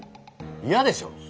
嫌でしょ？